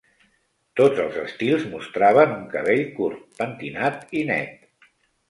Tots els estils mostraven un cabell curt, pentinat i net.